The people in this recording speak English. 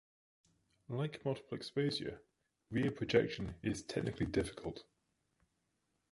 Like multiple exposure, rear projection is technically difficult.